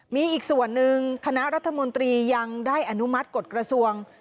มีอีกส่วนหนึ่งคณะรัฐมนตรียังได้อนุมัติกฎกระทรวง